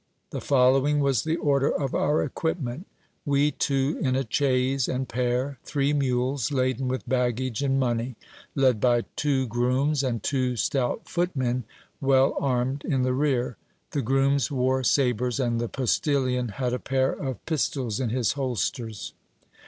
The follow ing was the order of our equipment ; we two in a chaise and pair, three mules, laden with baggage and money, led by two grooms and two stout footmen, well armed, in the rear ; the grooms wore sabres, and the postilion had a pair of pistols in his holsters.